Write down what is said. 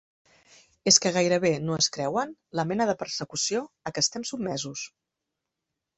És que gairebé no es creuen la mena de persecució a què estem sotmesos.